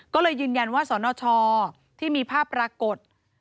ก็เลยยืนยันว่าสนชที่มีภาพปรากฏ